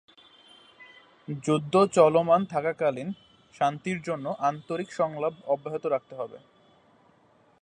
যুদ্ধ চলমান থাকাকালীন, শান্তির জন্য আন্তরিক সংলাপ অব্যাহত রাখতে হবে।